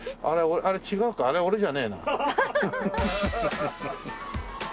俺あれ違うかあれ俺じゃねえな。